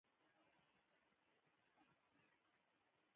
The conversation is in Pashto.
د افغانستان د اقتصادي پرمختګ لپاره پکار ده چې دفاع وکړو.